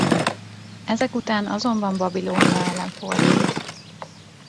Ezek után azonban Babilónia ellen fordult.